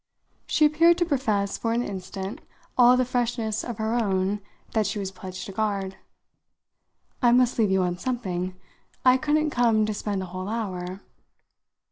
She appeared to profess for an instant all the freshness of her own that she was pledged to guard. "I must leave you on something. I couldn't come to spend a whole hour."